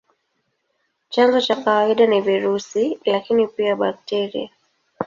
Chanzo cha kawaida ni virusi, lakini pia bakteria.